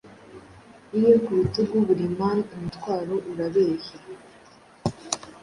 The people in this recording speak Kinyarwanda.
Iyo ku bitugu buri man umutwaro urabehya